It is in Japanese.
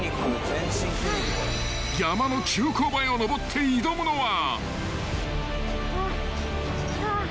［山の急勾配を登って挑むのは］